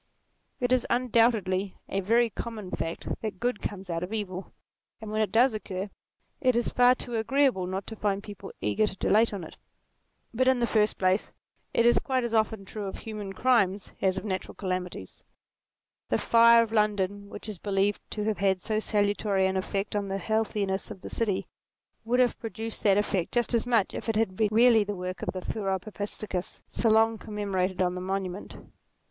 It is undoubtedly a very common fact that good comes out of evil, and when it does occur, it is far too agreeable not to find people eager to dilate on it. But in the first place, it is quite as often true of human crimes, as of natural calamities. The fire of London, which is believed to have had so salutary an effect on the healthiness of the city, would have produced that effect just as much if it had been really the work of the " furor papisticus" so long com memorated on the Monument.